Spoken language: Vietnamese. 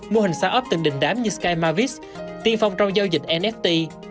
mô hình shop từng đình đám như sky mavis tiên phong trong giao dịch nft